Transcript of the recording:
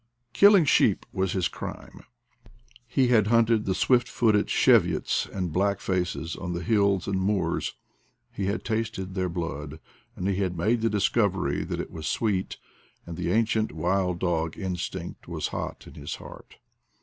Killing sheep was his crime; he had hunted the swift footed cheviots and black faces on the hills and moors; he had tasted their blood and had made the discovery that it was sweet, and the ancient wild dog instinct was hot in his heart.